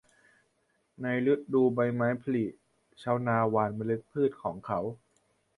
ในฤดูใบไม้ผลิ ชาวนาหว่านเมล็ดพืชของเขา